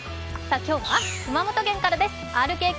今日は熊本県からです。